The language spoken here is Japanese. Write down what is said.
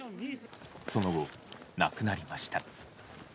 その後、亡くなりました。